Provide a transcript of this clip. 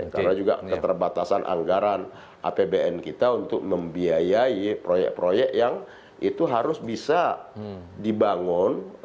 karena juga keterbatasan anggaran apbn kita untuk membiayai proyek proyek yang itu harus bisa dibangun